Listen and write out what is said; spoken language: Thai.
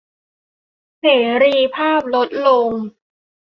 เสรีภาพลดลง